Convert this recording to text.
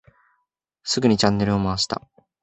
すぐにチャンネルを回した。